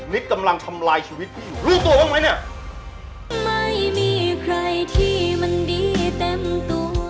นิดกำลังทำลายชีวิตรู้ตัวบ้างมั้ยเนี่ย